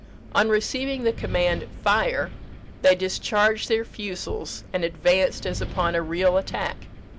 On receiving the command, 'Fire!' they discharged their fusils, and advanced as upon a real attack.